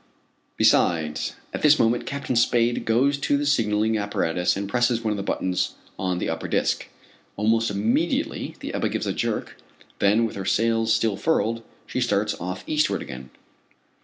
Besides, at this moment Captain Spade goes to the signalling apparatus and presses one of the buttons on the upper disk. Almost immediately the Ebba gives a jerk, then with her sails still furled, she starts off eastward again.